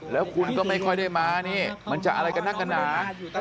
แล้วคุณก็ไม่ค่อยได้มานี่มันจะอะไรกันนักกันหนา